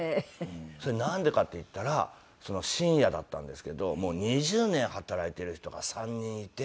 それなんでかっていったら深夜だったんですけど２０年働いている人が３人いて。